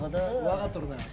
分かっとるな。